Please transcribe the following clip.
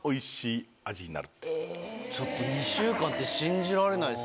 ちょっと２週間って信じられないですね。